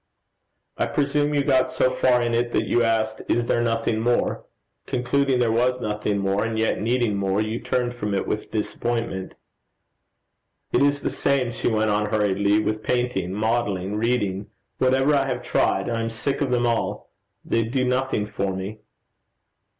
'I presume you got so far in it that you asked, "Is there nothing more?" Concluding there was nothing more, and yet needing more, you turned from it with disappointment?' 'It is the same,' she went on hurriedly, 'with painting, modelling, reading whatever I have tried. I am sick of them all. They do nothing for me.'